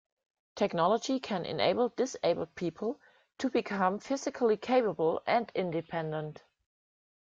Technology can enable disabled people to become physically capable and independent.